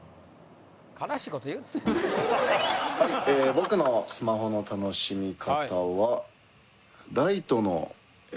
僕のスマホの楽しみ方は。